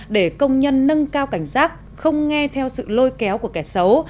để công nhân nâng cao cảnh giác không nghe theo sự lôi kéo của kẻ xấu